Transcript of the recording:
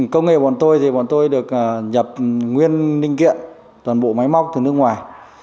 công nghiệp bọn tôi thì bọn tôi được nhập nguyên linh kiện toàn bộ máy móc từ nước ngoài